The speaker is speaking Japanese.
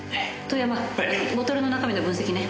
遠山ボトルの中身の分析ね。